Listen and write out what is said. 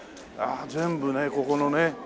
ああ全部ねここのね